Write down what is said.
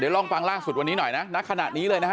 ลองฟังล่าสุดวันนี้หน่อยนะณขณะนี้เลยนะฮะ